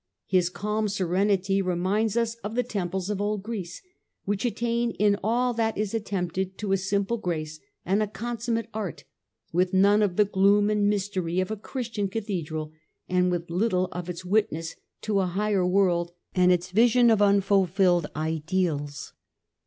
His calm serenity reminds us of the temples of old Greece, which attain in all that is attempted to a simple grace and a consummate art, with none of the gloom and mystery of a Christian cathedral, and with little of its witness to a higher world and its vision of unfulfilled ideals.